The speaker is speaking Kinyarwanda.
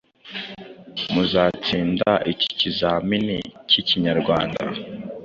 Muzatsinda iki? Ikizamini k’Ikinyarwanda